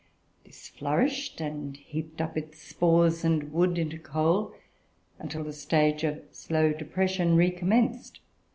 This flourished, and heaped up its spores and wood into coal, until the stage of slow depression recommenced.